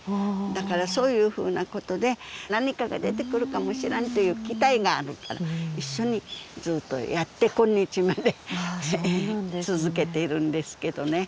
だからそういうふうなことで何かが出てくるかもしらんという期待があるから一緒にずっとやって今日まで続けているんですけどね。